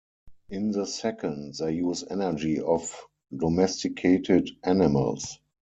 In the second, they use energy of domesticated animals.